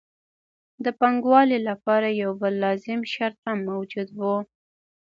د پانګوالۍ لپاره یو بل لازم شرط هم موجود وو